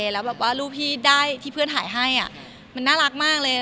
แล้วรูปที่เพื่อนถ่ายให้มันน่ารักมากเลย